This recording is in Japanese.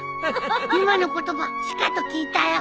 今の言葉しかと聞いたよ！